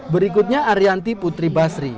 berikutnya arianti putri basri